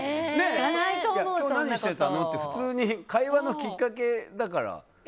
今日何してたの？って普通に会話のきっかけだから。